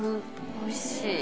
おいしい。